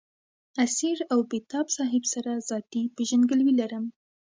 اسیر او بېتاب صاحب سره ذاتي پېژندګلوي لرم.